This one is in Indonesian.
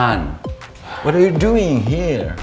apa yang kamu lakukan disini